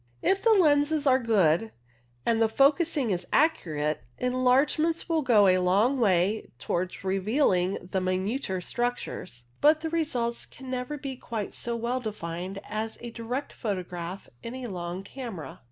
If the lenses are good, and the focusing is accurate, enlargements will go a long way towards revealing the minuter structures, but the results can never be quite so well defined as a direct photograph in a long camera.